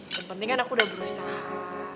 yang penting kan aku udah berusaha